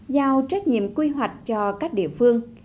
giao trách nhiệm quy hoạch cho các địa phương